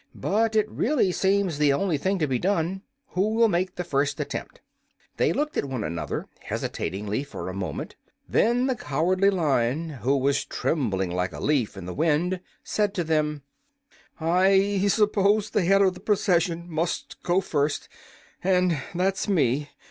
"But it really seems the only thing to be done. Who will make the first attempt?" They looked at one another hesitatingly for a moment. Then the Cowardly Lion, who was trembling like a leaf in the wind, said to them: "I suppose the head of the procession must go first and that's me.